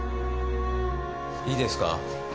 いいですか？